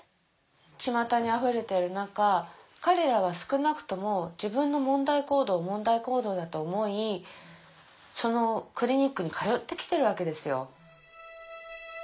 ちまたにあふれている中彼らは少なくとも自分の問題行動を問題行動だと思いそのクリニックに通って来てるわけですよ。